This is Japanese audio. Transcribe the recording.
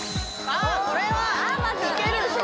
あこれはいけるでしょ？